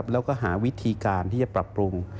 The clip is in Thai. แล้วก็หาวิธีการที่จะปรับปรุง